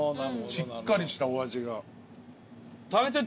しっかりしたお味が。